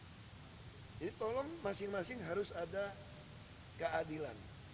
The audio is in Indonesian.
jadi tolong masing masing harus ada keadilan